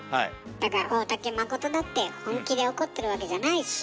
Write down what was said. だから大竹まことだって本気で怒ってるわけじゃないし。